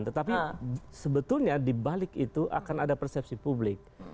tetapi sebetulnya dibalik itu akan ada persepsi publik